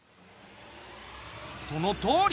そのとおり！